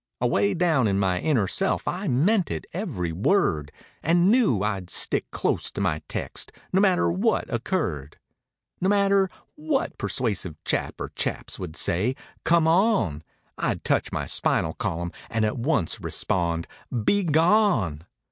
Away down in my inner self I meant it every word. And knew I'd stick close to my text no matter what occurred; No matter what persuasive chap or chaps would say "Come on!" I'd touch my spinal column and at once respond "Begone!"